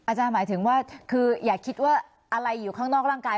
หมายถึงว่าคืออย่าคิดว่าอะไรอยู่ข้างนอกร่างกาย